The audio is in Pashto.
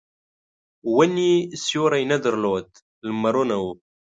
ونې سیوری نه درلود لمرونه وو.